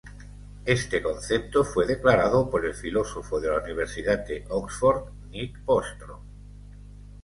Este concepto fue declarado por el filósofo de la Universidad de Oxford, Nick Bostrom.